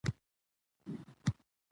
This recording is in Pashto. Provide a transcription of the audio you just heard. زما ژېره بوخار کوی